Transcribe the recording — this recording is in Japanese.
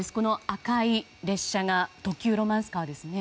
赤い列車が特急ロマンスカーですね。